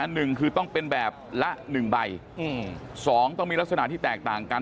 หนึ่งคือต้องเป็นแบบละหนึ่งใบอืมสองต้องมีลักษณะที่แตกต่างกัน